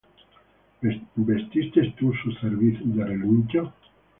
¿Vestiste tú su cerviz de relincho?